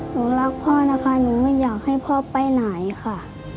หนูรักพ่อนะคะหนูไม่อยากให้พ่อไปไหนค่ะ